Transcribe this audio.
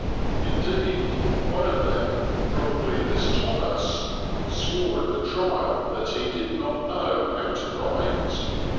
Indeed, one of them, probably this Thomas, swore at the trial that he did not know how to write.